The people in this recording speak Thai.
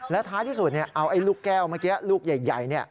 และท้ายที่สุดเอาลูกแก้วเมื่อกี้ลูกใหญ่